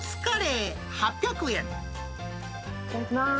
いただきます。